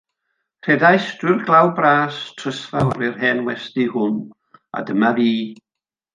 Rhedais drwy'r glaw bras trysfawr i'r hen westy hwn, a dyma fi.